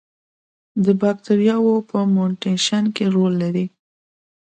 د باکتریاوو په میوټیشن کې رول لري.